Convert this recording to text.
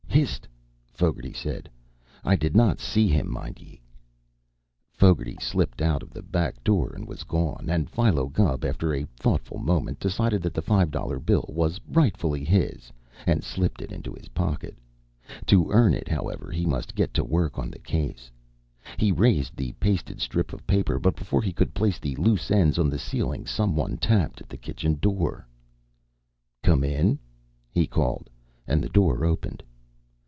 "Hist!" Fogarty said. "I did not see him, mind ye!" Fogarty slipped out of the back door and was gone, and Philo Gubb, after a thoughtful moment, decided that the five dollar bill was rightfully his, and slipped it into his pocket. To earn it, however, he must get to work on the case. He raised the pasted strip of paper, but before he could place the loose end on the ceiling, some one tapped at the kitchen door. "Come in!" he called, and the door opened.